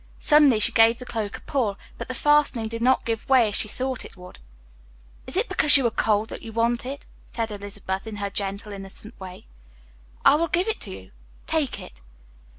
Suddenly she gave the cloak a pull, but the fastening did not give way as she had thought it would. "Is it because you are cold that you want it?" said Elizabeth, in her gentle, innocent way, "I will give it to you. Take it."